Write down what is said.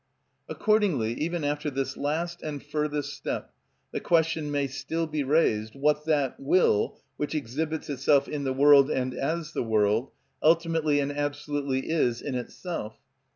Accordingly, even after this last and furthest step, the question may still be raised, what that will, which exhibits itself in the world and as the world, ultimately and absolutely is in itself?